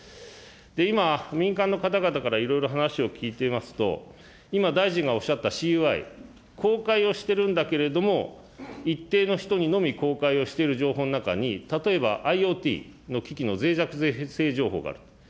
今、民間の方々からいろいろ話を聞いていますと、今、大臣がおっしゃったＣＵＩ、公開をしてるんだけれども、一定の人にのみ公開をしている情報の中に、例えばＩｏＴの機器のぜい弱性情報があると。